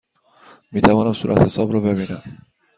می توانم صورتحساب را ببینم؟